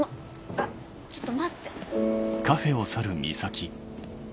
あっちょっと待って。